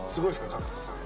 角田さん